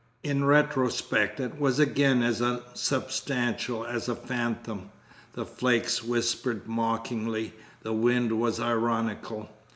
In retrospect it was again as unsubstantial as a phantom. The flakes whispered mockingly. The wind was ironical.